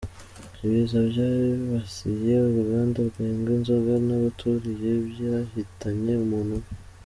Ibiza byibasiye Uruganda Rwenga Inzoga n’abaruturiye byahitanye umuntu umwe